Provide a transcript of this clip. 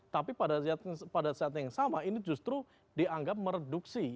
tapi pada saat yang sama ini justru dianggap mereduksi